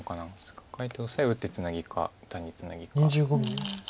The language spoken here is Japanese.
カカえてオサエ打ってツナギか単にツナギか。